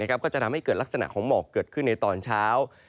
ก็จะทำให้เกิดลักษณะของหมอกเกิดขึ้นในตอนเช้า